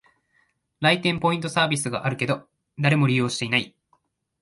来店ポイントサービスあるけど、誰も利用してない